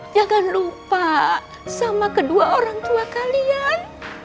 jangan lupa sama kedua orang tua kalian